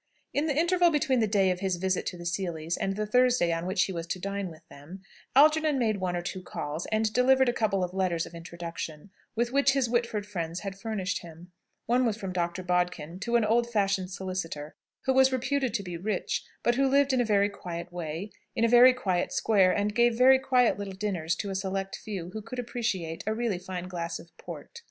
In the interval between the day of his visit to the Seelys and the Thursday on which he was to dine with them, Algernon made one or two calls, and delivered a couple of letters of introduction, with which his Whitford friends had furnished him. One was from Dr. Bodkin to an old fashioned solicitor, who was reputed to be rich, but who lived in a very quiet way, in a very quiet square, and gave very quiet little dinners to a select few who could appreciate a really fine glass of port.